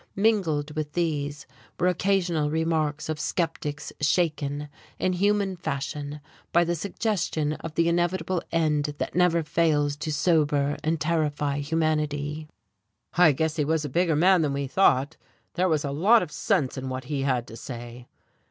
Mingled with these were occasional remarks of skeptics shaken, in human fashion, by the suggestion of the inevitable end that never fails to sober and terrify humanity. "I guess he was a bigger man than we thought. There was a lot of sense in what he had to say."